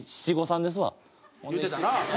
言うてたな。